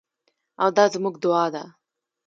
او دا زموږ دعا ده.